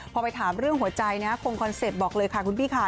พอไปถามเรื่องหัวใจนะคงคอนเซ็ปต์บอกเลยค่ะคุณพี่ค่ะ